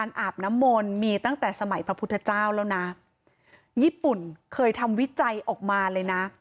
อาบน้ำมนต์มีตั้งแต่สมัยพระพุทธเจ้าแล้วนะญี่ปุ่นเคยทำวิจัยออกมาเลยนะ